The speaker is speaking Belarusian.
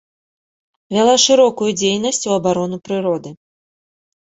Вяла шырокую дзейнасць у абарону прыроды.